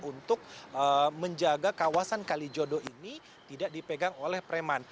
untuk menjaga kawasan kalijodo ini tidak dipegang oleh preman